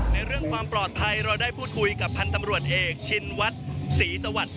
ในเรื่องความปลอดภัยเราได้พูดคุยกับพันธรรมรวชเอกชินวัดศรีสวรรค์